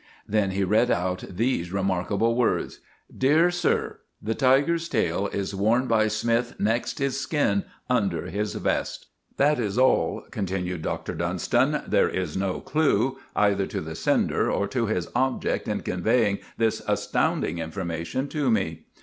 Then he read out these remarkable words— "'Dear Sir,—The tiger's tail is worn by Smythe next his skin, under his vest.' "That is all," continued Dr. Dunstan. "There is no clue—either to the sender or to his object in conveying this astounding information to me.